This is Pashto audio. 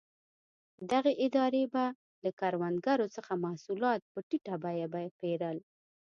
دغې ادارې به له کروندګرو څخه محصولات په ټیټه بیه پېرل.